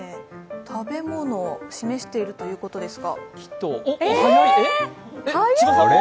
食べ物を示しているということですが。